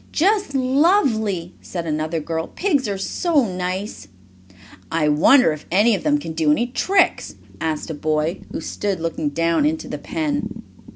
"Just lovely!" said another girl. "Pigs are so nice!" "I wonder if any of them can do any tricks?" asked a boy who stood looking down into the pen.